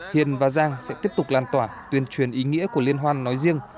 hiền và giang sẽ tiếp tục lan tỏa tuyên truyền ý nghĩa của liên hoan nói riêng